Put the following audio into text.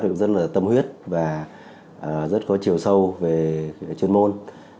cũng rất là tâm huyết và rất có chiều sâu về chuyên môn